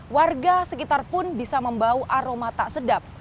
warga sekitar pun bisa membawa aroma tak sedap